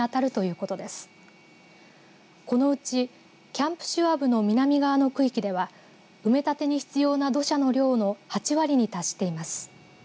このうちキャンプシュワブの南側の区域では埋め立てに必要な土砂の量の８割に達しています。